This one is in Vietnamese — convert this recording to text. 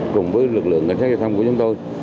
cùng với lực lượng cảnh sát giao thông của chúng tôi